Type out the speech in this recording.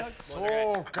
そうか。